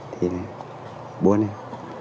thì buồn em